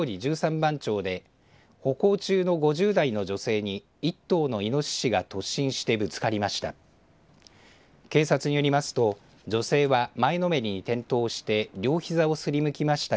番町で歩行中の５０代の女性に１頭のいのししが突進してぶつかりました。